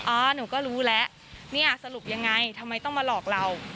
อ๋อหนูก็รู้แล้วเนี่ยสรุปยังไงทำไมต้องมาหลอกเรา